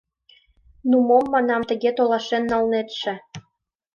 — Ну, мом, — манам, — тыге толашен налнетше?